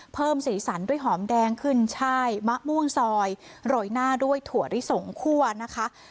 สีสันด้วยหอมแดงขึ้นช่ายมะม่วงซอยโรยหน้าด้วยถั่วลิสงคั่วนะคะ